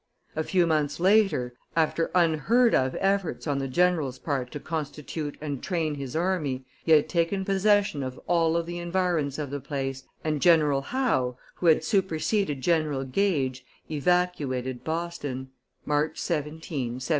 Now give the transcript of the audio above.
A few months later, after unheard of efforts on the general's part to constitute and train his army, he had taken possession of all the environs of the place, and General Howe, who had superseded General Gage, evacuated Boston (March 17, 1776).